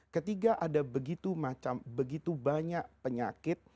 ketiga ada begitu banyak penyakit